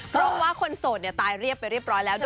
เพราะว่าคนโสดตายเรียบไปเรียบร้อยแล้วด้วย